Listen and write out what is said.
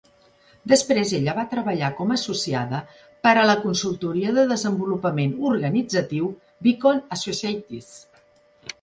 Després ella va treballar com a associada per a la consultoria de desenvolupament organitzatiu, Beacon Associates.